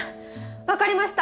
わかりました！